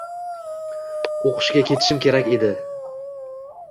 O’qishga ketishim kerak edi